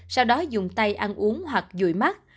sau đó dùng tay ăn uống hoặc dụi mắt